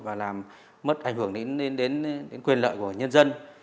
và làm mất ảnh hưởng đến quyền lợi của nhân dân